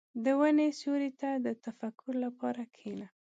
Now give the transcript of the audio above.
• د ونې سیوري ته د تفکر لپاره کښېنه.